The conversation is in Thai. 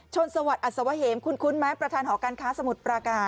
สวัสดิอัศวะเหมคุ้นไหมประธานหอการค้าสมุทรปราการ